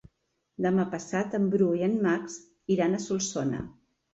Demà passat en Bru i en Max iran a Solsona.